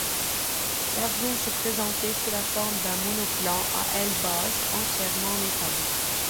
L'avion se présentait sous la forme d'un monoplan à aile basse, entièrement métallique.